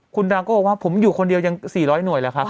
คุณดังก็บอกว่าผมอยู่คนเดียวยัง๔๐๐หน่วยแล้วครับ